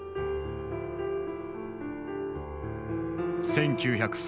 １９３７年。